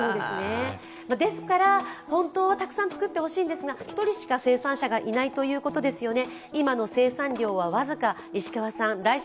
ですから本当はたくさんつくってほしいんですが、１人しか生産者がいないということですよね。